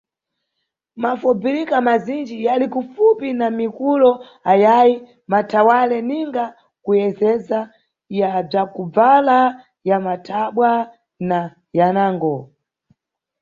Mafobirika mazinji yali kufupi na mikulo ayayi mathawale, ninga kuyezeza, ya bzakubvala, ya matabwa na yanango.